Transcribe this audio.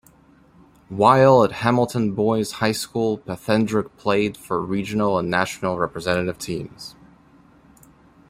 While at Hamilton Boys' High School Petherick played for regional and national representative teams.